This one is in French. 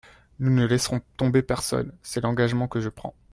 Nous ne laisserons tomber personne, c’est l’engagement que je prends.